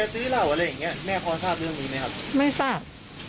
เขาไม่คิดเหนียว